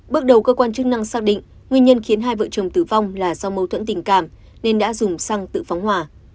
bước đầu cơ quan chức năng xác định nguyên nhân khiến hai vợ chồng tử vong là do mâu thuẫn tình cảm nên đã dùng xăng tự phóng hỏa